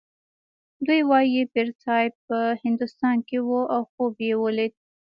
دوی وايي پیرصاحب په هندوستان کې و او خوب یې ولید.